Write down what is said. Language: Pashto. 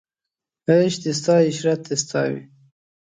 عیش دې ستا عشرت دې ستا وي